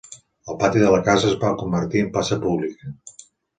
El pati de la casa es va convertir en plaça pública.